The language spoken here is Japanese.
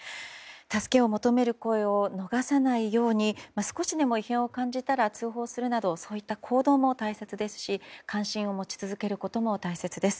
助けを求める声を逃さないように少しでも異変を感じたら通報するなどそういった行動も大切ですし関心を持ち続けることも大切です。